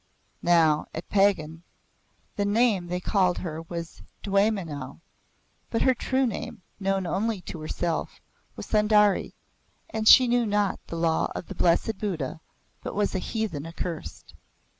Now, at Pagan, the name they called her was Dwaymenau, but her true name, known only to herself, was Sundari, and she knew not the Law of the Blessed Buddha but was a heathen accursed.